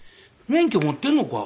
「免許持ってんのか？」